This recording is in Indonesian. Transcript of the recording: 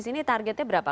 di sini targetnya berapa